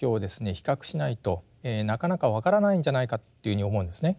比較しないとなかなか分からないんじゃないかというふうに思うんですね。